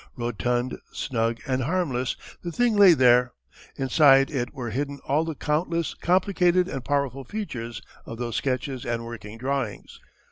Rotund, snug, and harmless the thing lay there. Inside it were hidden all the countless, complicated, and powerful features of those sketches and working drawings.